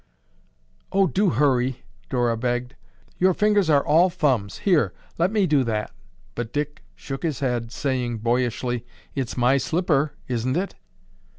"Oh, do hurry!" Dora begged. "Your fingers are all thumbs. Here, let me do that." But Dick shook his head, saying boyishly, "It's my slipper, isn't it?"